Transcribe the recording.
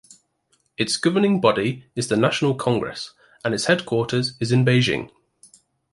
Its governing body is the national congress, and its headquarters is in Beijing.